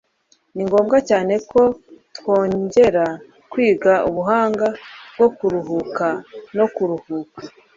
ni ngombwa cyane ko twongera kwiga ubuhanga bwo kuruhuka no kuruhuka